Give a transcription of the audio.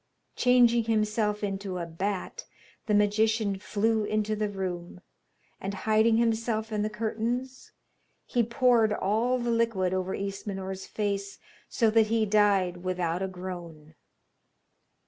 Changing himself into a bat, the magician flew into the room, and hiding himself in the curtains, he poured all the liquid over Ismenor's face, so that he died without a groan.